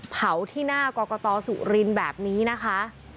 เผาที่หน้ากรกตสุรินทร์แบบนี้นะคะ